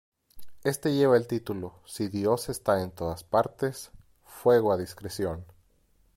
Éste lleva el título "Si Dios está en todas partes... fuego a discreción!!!